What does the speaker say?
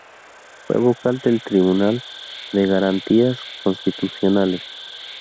Fue vocal del Tribunal de Garantías Constitucionales.